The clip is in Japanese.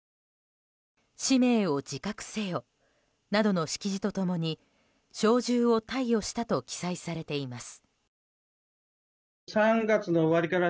使命を自覚せよなどの式辞と共に小銃を貸与したと記載されています。